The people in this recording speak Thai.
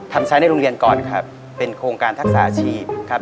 ใช้ในโรงเรียนก่อนครับเป็นโครงการทักษาอาชีพครับ